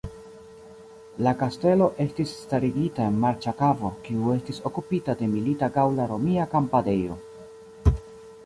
La kastelo estis starigita en marĉa kavo, kiu estis okupita de milita gaŭla-romia kampadejo.